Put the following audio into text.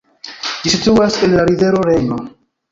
Ĝi situas en la rivero Rejno.